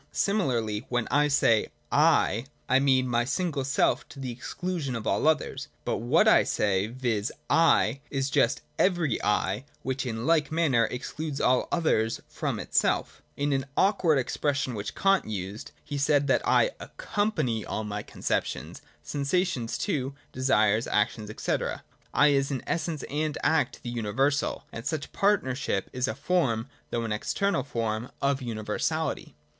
Similarly when I say, ' I,' I mean my single self to the exclusion of all others : but what I say, viz. ' I,' is just every ' I,' which in like manner excludes all others from itself. In an awkward expression which Kant used, he said that I accompany ?\\ my conceptions, — sensations, too, desires, 20.] SUBJECTIVE THOUGHT AND FORMAL LOGIC. 39 actions, &c. ' I ' is in essence and act the universal : and such partnership is a form, though an external form, of universality.